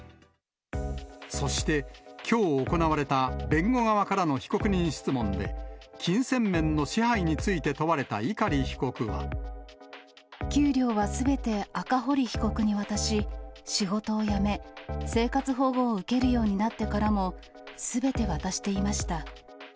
そして、きょう行われた弁護側からの被告人質問で、金銭面の支配について給料はすべて赤堀被告に渡し、仕事を辞め、生活保護を受けるようになってからも、すべて渡していました。